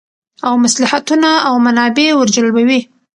او مصلحتونه او منافع ور جلبوی